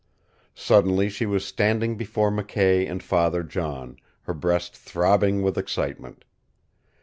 Suddenly she was standing before McKay and Father John, her breast throbbing with excitement.